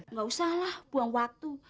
nggak usah lah buang waktu